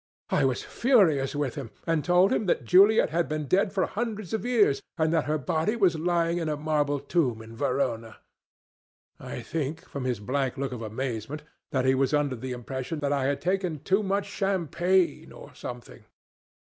I was furious with him, and told him that Juliet had been dead for hundreds of years and that her body was lying in a marble tomb in Verona. I think, from his blank look of amazement, that he was under the impression that I had taken too much champagne, or something."